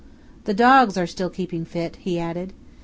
"The dogs are still keeping fit," he added.